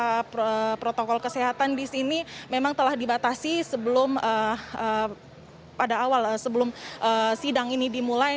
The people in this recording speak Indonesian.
cara protokol kesehatan disini memang telah dibatasi sebelum pada awal sebelum sidang ini dimulai